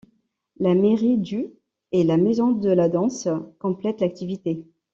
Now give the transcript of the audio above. La mairie du et la Maison de la Danse complètent l'activité.